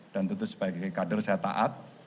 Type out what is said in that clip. dan tentu sebagai kader saya taat